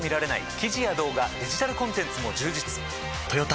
記事や動画デジタルコンテンツも充実